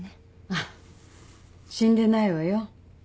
あっ死んでないわよ。